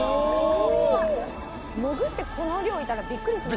潜ってこの量いたらびっくりしません？